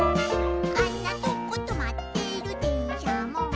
「あんなとことまってるでんしゃも」